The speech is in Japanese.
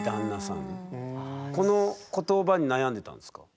この言葉に悩んでたんですか？